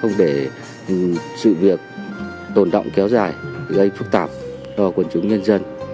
không để sự việc tồn động kéo dài gây phức tạp cho quần chúng nhân dân